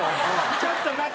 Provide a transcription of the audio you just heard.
ちょっと待て。